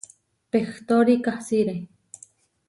Pehtóri kasiré.